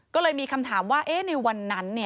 ก็เลยมีคำถามว่าในวันนั้น